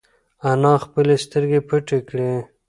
انا خپلې سترگې پټې کړې.